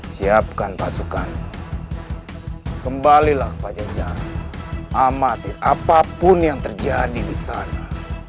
siapkan pasukan kembalilah pajajar amati apapun yang terjadi di sana